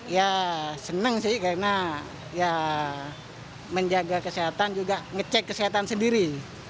ya senang sih karena ya menjaga kesehatan juga ngecek kesehatan sendiri